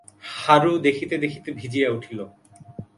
হারু দেখিতে দেখিতে ভিজিয়া উঠিল!